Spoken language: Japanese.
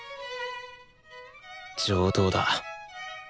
上等だ。